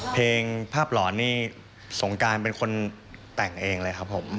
เพลงภาพหลอนนี่สงการเป็นคนแต่งเองเลยครับผม